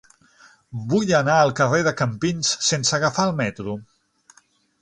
Vull anar al carrer de Campins sense agafar el metro.